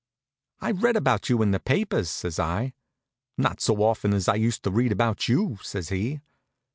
"I've read about you in the papers," says I. "Not so often as I used to read about you," says he.